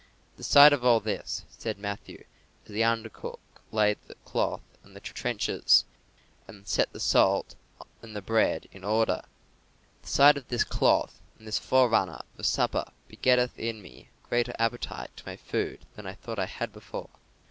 "The sight of all this," said Matthew, as the under cook laid the cloth and the trenchers, and set the salt and the bread in order "the sight of this cloth and of this forerunner of a supper begetteth in me a greater appetite to my food than I thought I had before."